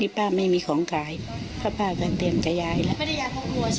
นี่ป้าไม่มีของขายเพราะป้าก็เตรียมจะย้ายแล้ว